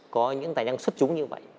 có những tài năng xuất trúng như vậy